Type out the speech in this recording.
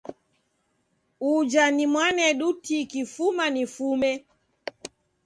Uja ni mwanedu tiki fuma nifume.